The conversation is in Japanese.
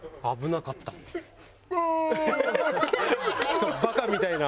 しかもバカみたいな。